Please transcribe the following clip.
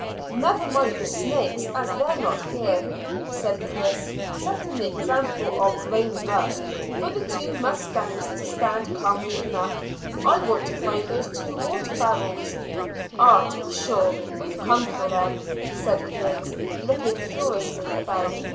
"Never mind the snakes as they're not here," said Chris, setting the example of reining up, for the two mustangs to stand calmly enough; "I want to find those two water barrels." "Ah, to be sure; we've come for them," said Griggs, looking curiously about.